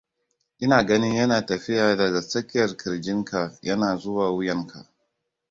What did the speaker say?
Ina ganin yana tafiya daga tsakiyar kirjin ka yana zuwa wuyan ka